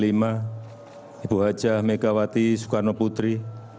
ibu hj megawati soekarnoputri